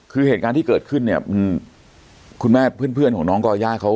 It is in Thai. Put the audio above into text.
คือเหตุการณ์ที่เกิดขึ้นเนี่ยคุณแม่เพื่อนของน้องก่อย่าเขา